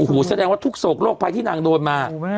โอ้โหแสดงว่าทุกโศกโรคภัยที่นางโดนมา